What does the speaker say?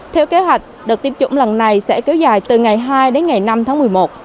theo kế hoạch đợt tiêm chủng lần này sẽ kéo dài từ ngày hai đến ngày năm tháng một mươi một